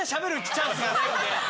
チャンスがないので。